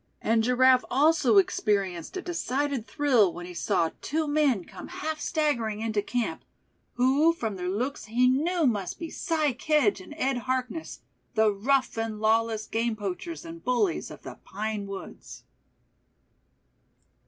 And Giraffe also experienced a decided thrill when he saw two men come half staggering into camp, who from their looks he knew must be Si Kedge and Ed Harkness, the rough and lawless game poachers and bullies of the pine woods.